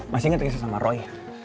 masih inget gak sih sama roy